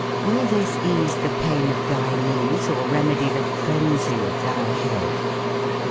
^ill this ease the paine of thy knees, or rem e die the phrensie of thy hede